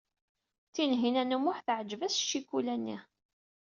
Tinhinan u Muḥ teɛjeb-as ccikula-nni.